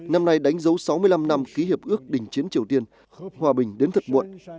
năm nay đánh dấu sáu mươi năm năm ký hiệp ước đình chiến triều tiên hòa bình đến thật muộn